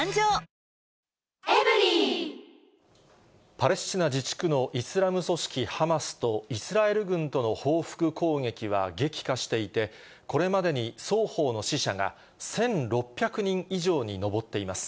パレスチナ自治区のイスラム組織ハマスと、イスラエル軍との報復攻撃は激化していて、これまでに双方の死者が１６００人以上に上っています。